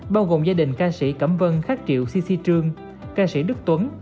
bao gồm gia đình ca sĩ cẩm vân khát triệu si si trương ca sĩ đức tuấn